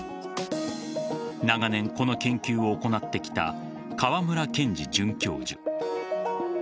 長年、この研究を行ってきた川村賢二准教授。